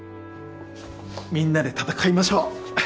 みんなで戦いましょう！